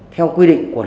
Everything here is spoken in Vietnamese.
theo quy định của luật